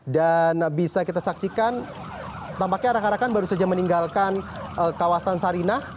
dan bisa kita saksikan tampaknya arak arakan baru saja meninggalkan kawasan sarinah